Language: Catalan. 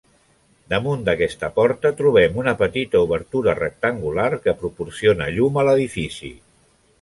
Damunt d'aquesta porta trobem una petita obertura rectangular que proporciona llum a l'edifici.